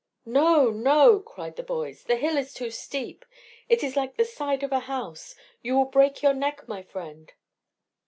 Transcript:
"No! no!" cried the boys. "The hill is too steep. It is like the side of a house. You will break your neck, my friend."